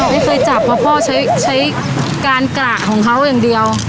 ไม่เคยจับเพราะพ่อใช้การกรากของเขาอย่างเดียว